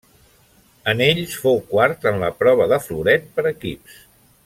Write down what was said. En ells, fou quart en la prova de floret per equips.